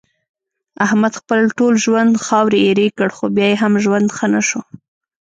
احمد خپل ټول ژوند خاورې ایرې کړ، خو بیا یې هم ژوند ښه نشو.